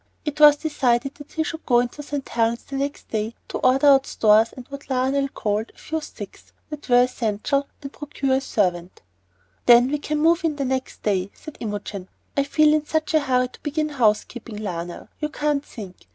It was decided that he should go into St. Helen's next day to order out stores and what Lionel called "a few sticks" that were essential, and procure a servant. "Then we can move in the next day," said Imogen. "I feel in such a hurry to begin house keeping, Lionel, you can't think.